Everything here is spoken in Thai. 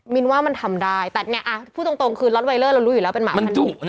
นว่ามันทำได้แต่พูดตรงคือล็อตไวเลอร์เรารู้อยู่แล้วเป็นหมาพันธุ